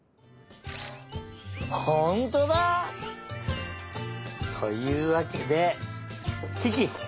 ほんとうだ！というわけでキキ！